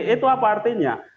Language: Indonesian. itu apa artinya